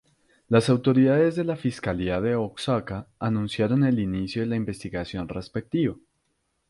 Las autoridades de la fiscalía de Oaxaca anunciaron el inicio de la investigación respectiva.